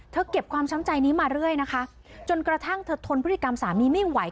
เก็บความช้ำใจนี้มาเรื่อยนะคะจนกระทั่งเธอทนพฤติกรรมสามีไม่ไหว